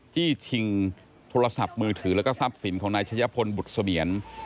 จี้ชิงโทรศัพท์มือถือแล้วก็ทรัพย์สินของนายชะยะพลบุตรเสมียน